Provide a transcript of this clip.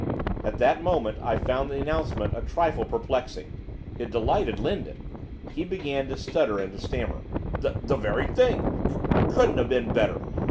At that moment I found the announcement a trifle perplexing, it delighted Lindon. He began to stutter and to stammer. 'T the very thing! c couldn't have been better!